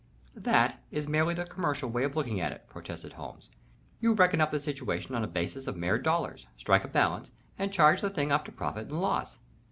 "That is merely the commercial way of looking at it," protested Holmes. "You reckon up the situation on a basis of mere dollars, strike a balance and charge the thing up to profit and loss.